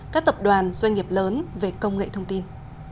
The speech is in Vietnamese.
các tập đoàn doanh nghiệp lớn về công nghệ thông tin